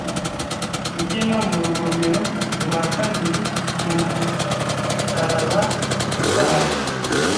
Gutema mu rugomero rwa kabiri mu musaraba gutwara